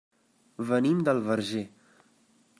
Venim del Verger.